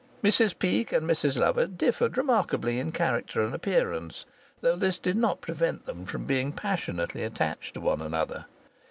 Mrs Peake and Mrs Lovatt differed remarkably in character and appearance, though this did not prevent them from being passionately attached to one another.